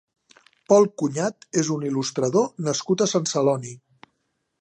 Pol Cunyat és un il·lustrador nascut a Sant Celoni.